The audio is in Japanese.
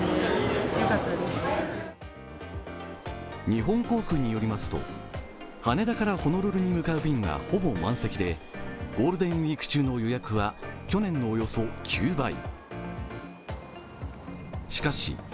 日本航空によりますと羽田からホノルルに向かう便はほぼ満席でゴールデンウイーク中の予約は去年のおよそ９倍。